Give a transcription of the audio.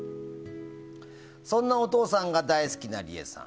そんなお父さんが大好きなリエさん